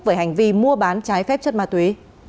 về hành vi mua bán trái phép chất ma túy